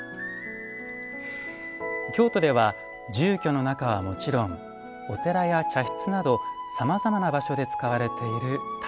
京都では住居の中はもちろんお寺や茶室などさまざまな場所で使われている畳。